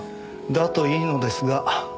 だといいのですが。